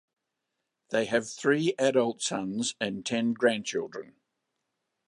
They have three adult sons and ten grandchildren.